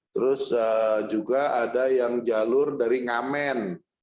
terus juga ada yang jalur dari ngamen